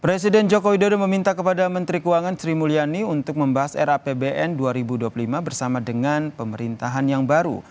presiden joko widodo meminta kepada menteri keuangan sri mulyani untuk membahas rapbn dua ribu dua puluh lima bersama dengan pemerintahan yang baru